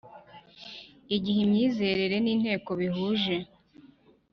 igihe imyizerere n intego bihuje